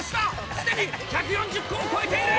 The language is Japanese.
すでに１４０個を超えている！